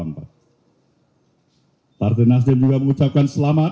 partai nasdem juga mengucapkan selamat